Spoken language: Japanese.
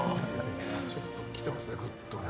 ちょっときてますね、うるっと。